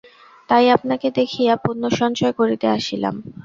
তাই আপনাকে দেখিয়া পুণ্যসঞ্চয় করিতে আসিলাম।